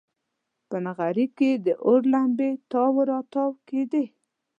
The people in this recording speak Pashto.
په نغري کې د اور لمبې تاو راتاو کېدې.